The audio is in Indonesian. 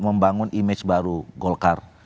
membangun image baru golkar